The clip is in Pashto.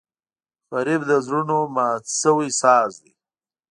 غریب د زړونو مات شوی ساز دی